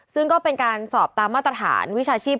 ซึ่งก็เป็นการสอบตามมาตรฐานวิชาชีพ